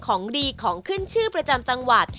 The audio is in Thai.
ของดีของขึ้นชื่อประจำจังหวัด